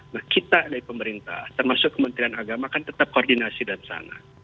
nah kita dari pemerintah termasuk kementerian agama kan tetap koordinasi dari sana